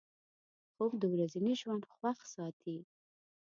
خوب د ورځني ژوند خوښ ساتي